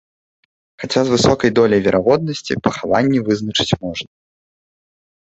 Хаця з высокай доляй верагоднасці пахаванні вызначыць можна.